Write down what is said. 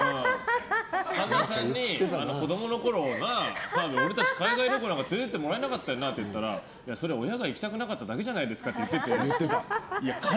神田さんに子供のころ、澤部、俺たち海外旅行なんか連れてってもらえなかったよなって言ったらそれ、親が行きたくなかっただけじゃないですか？って言ってて。